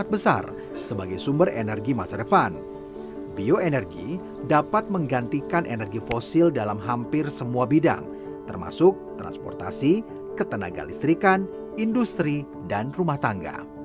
bisa dimanfaatkan oleh lebih banyak orang